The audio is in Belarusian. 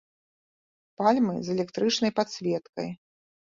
Пальмы з электрычнай падсветкай.